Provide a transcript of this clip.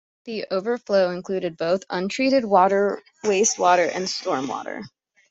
The overflow included both untreated wastewater and stormwater.